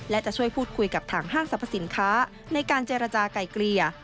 และจะช่วยพูดคุยกับทางห้างสรรพสินค้าในการเจรจากลายเกลี่ย